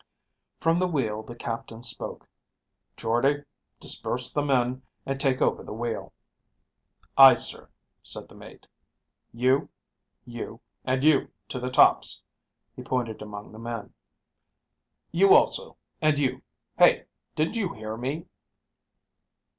From the wheel the captain spoke, "Jordde, disperse the men and take over the wheel." "Aye, sir," said the mate. "You, you, and you to the tops." He pointed among the men. "You also, and you. Hey, didn't you hear me?"